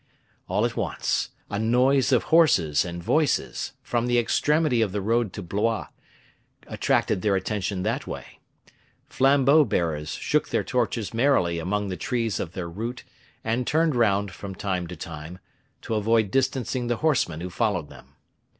All at once a noise of horses and voices, from the extremity of the road to Blois, attracted their attention that way. Flambeaux bearers shook their torches merrily among the trees of their route, and turned round, from time to time, to avoid distancing the horsemen who followed them.